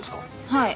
はい。